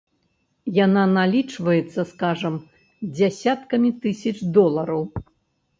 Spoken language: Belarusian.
Яна налічваецца, скажам, дзясяткамі тысяч долараў.